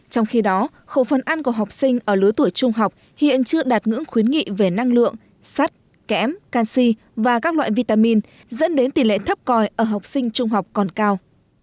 trong khi đó khẩu phân ăn của học sinh ở lứa tuổi trung học hiện chưa đạt ngưỡng khuyến nghị về năng lượng sắt kém canxi và các loại vitamin dẫn đến tỷ lệ thấp coi ở học sinh trung học còn cao